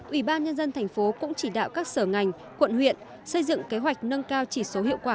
ủy ban nhân dân thành phố cũng chỉ đạo các sở ngành quận huyện xây dựng kế hoạch nâng cao chỉ số hiệu quả